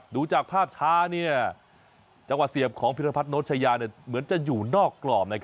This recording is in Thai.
ดูจากภาพช้าจังหวะเสียบของพิรพัฒนชายาเหมือนจะอยู่นอกกรอบ